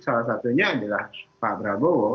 salah satunya adalah pak prabowo